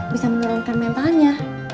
bisa menurunkan mentalnya